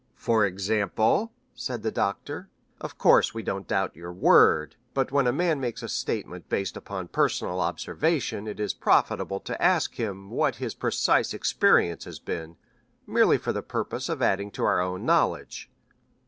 "For example?" said the Doctor. "Of course, we don't doubt your word; but when a man makes a statement based upon personal observation it is profitable to ask him what his precise experience has been, merely for the purpose of adding to our own knowledge."